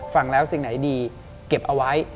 ฟังแล้วสิ่งไหนดีเก็บเอาไว้